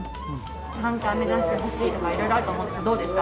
三冠目指してほしいとか、いろいろあると思うんですが、どうですか？